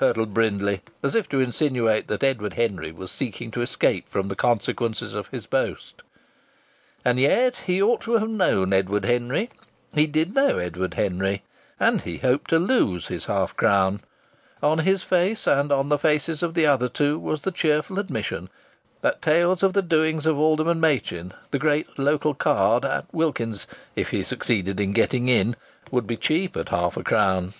hurtled Brindley, as if to insinuate that Edward Henry was seeking to escape from the consequences of his boast. And yet he ought to have known Edward Henry. He did know Edward Henry. And he hoped to lose his half crown. On his face and on the faces of the other two was the cheerful admission that tales of the doings of Alderman Machin, the great local card, at Wilkins's if he succeeded in getting in would be cheap at half a crown.